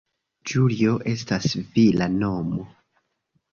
Julio estas vira nomo.